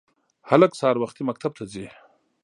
هلک سهار وختي مکتب ته ځي